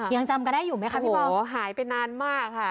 ยังจำกันได้อยู่ไหมคะพี่บอลหายไปนานมากค่ะ